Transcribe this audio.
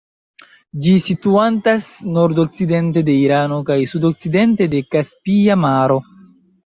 Ĝi situantas nordokcidente de Irano kaj sudokcidente de Kaspia Maro.